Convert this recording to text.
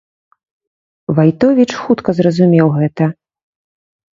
Вайтовіч хутка зразумеў гэта.